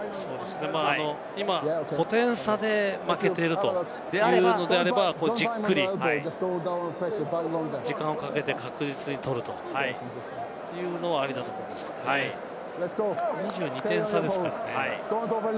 今５点差で負けているのであれば、じっくり時間をかけて確実に取るというのはありだと思うんですけど、２２点差ですからね。